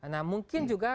nah mungkin juga